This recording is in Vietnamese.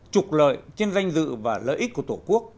trục lợi trên danh dự và lợi ích của tổ quốc